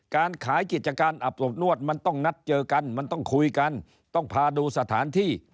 การขายกิจการอับอบนวดมันต้องนัดเจอกันมันต้องคุยกันต้องพาดูสถานที่